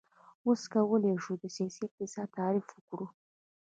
اوس کولی شو د سیاسي اقتصاد تعریف وکړو.